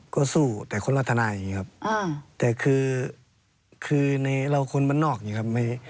ก็สู้แต่คนละทนายอย่างนี้ครับแต่คือในเราคนบ้านนอกอย่างนี้ครับ